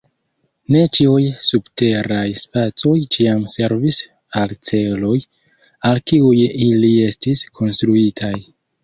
Ne ĉiuj subteraj spacoj ĉiam servis al celoj, al kiuj ili estis konstruitaj.